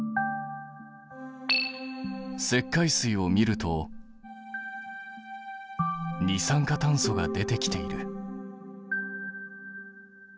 石灰水を見ると二酸化炭素が出てきている。